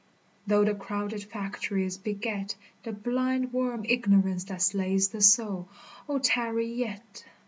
though the crowded factories beget The blind worm Ignorance that slays the soul, O tarry yet